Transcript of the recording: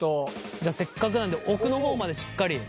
じゃあせっかくなんで奥の方までしっかり。